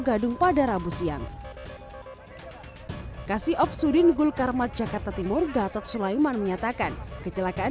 gadung pada rabu siang kasih opsudin gulkarmat jakarta timur gatot sulaiman menyatakan kecelakaan